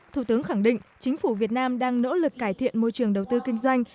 thủ tướng khẳng định chính phủ việt nam đang nỗ lực cải thiện môi trường đầu tư kinh doanh